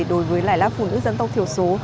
đối với lại là phụ nữ dân tộc thiểu số